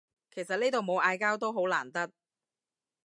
其實呢度冇嗌交都好難得